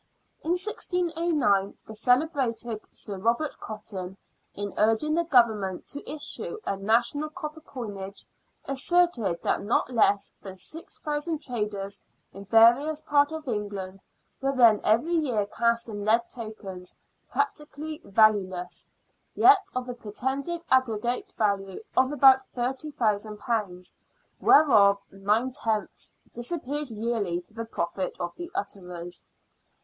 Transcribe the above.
In 1609 the celebrated Sir Robert Cotton, in urging the Government to issue a national copper coinage, aserted that not less than 6,000 traders in various parts of England were then every year casting lead tokens, practically valueless, yet of the pretended aggregate value of about £30,000, " whereof nine tenths " disappeared yearly to the profit of the utterers.